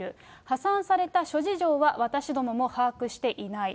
破産された諸事情は、私どもも把握していない。